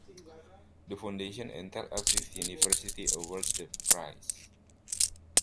The foundation and Tel Aviv University award the prizes.